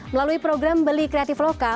melalui program beli kreatif lokal